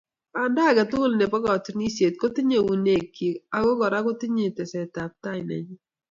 banda age tugul nebo katunisieet kotinyei uinweekchii, ago kora kotinyei tesetab taai nenyii